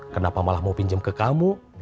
kenapa malah mau pinjam ke kamu